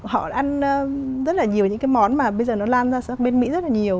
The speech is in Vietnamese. họ ăn rất là nhiều những cái món mà bây giờ nó lan ra bên mỹ rất là nhiều